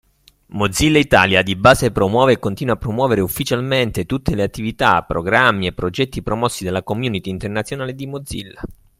Mozilla Italia di base promuove e continua a promuovere ufficialmente tutte le attività, programmi e progetti promossi dalla Community Internazionale di Mozilla.